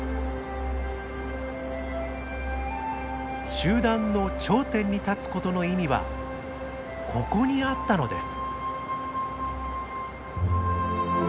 集団の頂点に立つことの意味はここにあったのです。